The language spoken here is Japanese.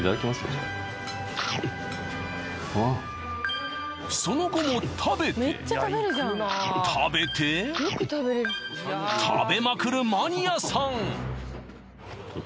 じゃあその後も食べて食べて食べまくるマニアさん